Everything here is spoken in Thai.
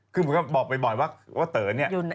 คือผมก็บอกบ่อยว่าเต๋อเนี่ย